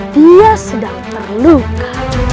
dia sedang terluka